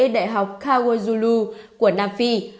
đại học kawajulu của nam phi